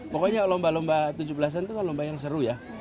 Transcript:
pokoknya lomba lomba tujuh belas an itu kan lomba yang seru ya